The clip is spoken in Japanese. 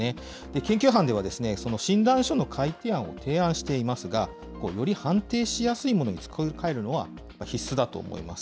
研究班では診断書の改定案を提案していますが、より判定しやすいものに作り替えるのは必須だと思います。